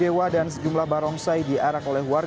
lima buah patung dewa dan sejumlah barongsai diarak oleh hujan